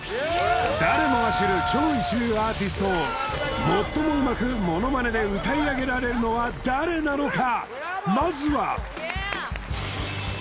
誰もが知る超一流アーティストを最もうまくモノマネで歌い上げられるのは誰なのか？